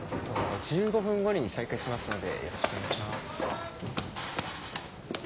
１５分後に再開しますのでよろしくお願いします。